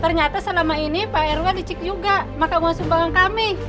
ternyata selama ini pak rw licik juga maka mau sembangkan kami